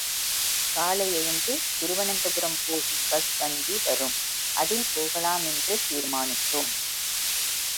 காலை எழுந்து திருவனந்தபுரம் போகும் பஸ் வண்டி வரும், அதில் போகலாமென்று தீர்மானித்தோம்.